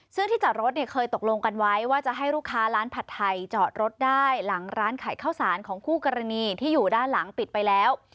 ซึ่งที่จอดรถเนี่ยเคยตกลงกันไว้ว่าจะให้ลูกค้าร้านผัดไทยจอดรถได้หลังร้านขายข้าวสารของคู่กรณีที่อยู่ด้านหลังปิดไปแล้ว